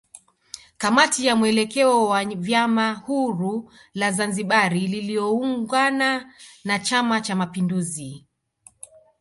Kamati ya mwelekeo wa vyama huru la Zanzibari lililoungana na chama cha mapinduzi